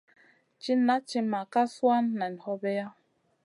Cina timma ka suanu nen hobeya.